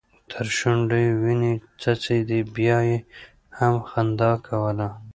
تر شونډو يې وينې څڅيدې بيا يې هم خندا کوله.